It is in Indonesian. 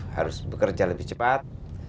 harus bekerja lebih cepat